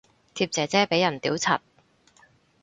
貼姐姐俾人屌柒